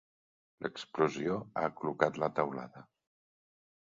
L'explosió ha aclucat la teulada.